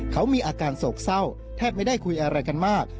เขามีอาการโศกเศร้าแทบไม่ได้คุยอะไรกันมาก